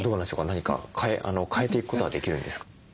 何か変えていくことはできるんですか？